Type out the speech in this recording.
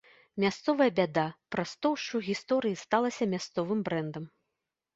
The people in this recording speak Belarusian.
Мясцовая бяда праз тоўшчу гісторыі сталася мясцовым брэндам.